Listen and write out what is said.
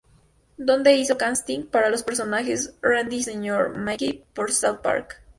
Donde hizo casting para los personajes Randy y Sr. Mackey para South Park.